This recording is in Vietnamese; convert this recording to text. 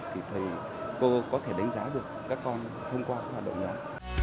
thì thầy cô có thể đánh giá được các con thông qua hoạt động nhóm